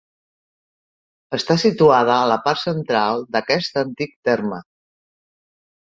Està situada a la part central d'aquest antic terme.